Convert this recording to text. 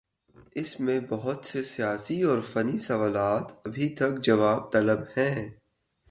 اس میں بہت سے سیاسی اور فنی سوالات ابھی تک جواب طلب ہیں۔